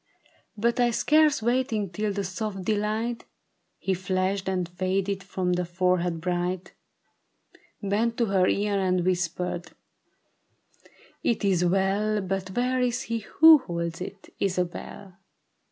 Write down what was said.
" But I scarce waiting till the soft delight Had flashed and faded from her forehead bright, Bent to her ear and whispered, ' It is well, But where is he who holds it, Isabel